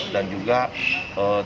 dan juga tiga orang lainnya